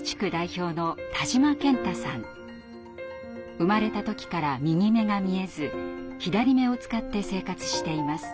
生まれた時から右目が見えず左目を使って生活しています。